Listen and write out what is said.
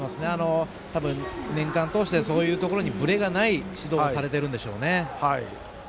多分、年間を通してそういうところにぶれがない指導をされているんでしょうね。